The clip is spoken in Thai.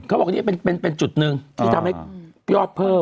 เขาบอกนี่เป็นจุดหนึ่งที่ทำให้ยอดเพิ่ม